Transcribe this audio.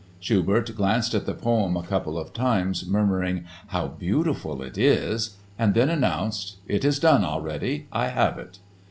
Schubert glanced at the poem a couple of times, murmuring "how beautiful it is" and then announced: "It is done already. I have it."